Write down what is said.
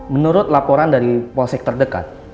menurut laporan dari polsek terdekat